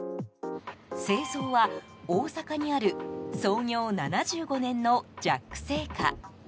製造は、大阪にある創業７５年のジャック製菓。